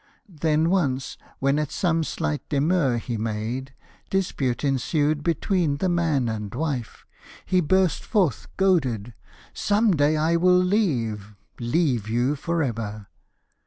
Then once, when at some slight demur he made, Dispute ensued between the man and wife, He burst forth, goaded, "Some day I will leave Leave you forever!"